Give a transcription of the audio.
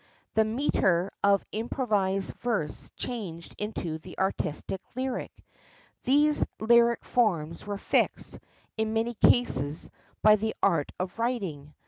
The metre of improvised verse changed into the artistic lyric. These lyric forms were fixed, in many cases, by the art of writing.